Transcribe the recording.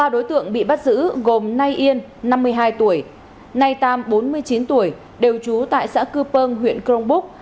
ba đối tượng bị bắt giữ gồm nay yên năm mươi hai tuổi nay tam bốn mươi chín tuổi đều trú tại xã cư pơng huyện crong búc